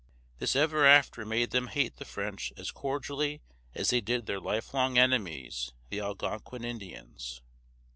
This ever after made them hate the French as cordially as they did their lifelong enemies, the Algonquin Indians.